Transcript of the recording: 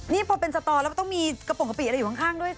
นี่พอเป็นสตอแล้วมันต้องมีกระโปรงกะปิอะไรอยู่ข้างด้วย